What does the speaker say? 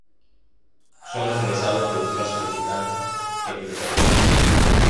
Son atravesados por un trazo vertical que es el rey.